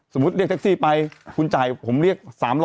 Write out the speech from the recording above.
เรียกแท็กซี่ไปคุณจ่ายผมเรียก๓๐๐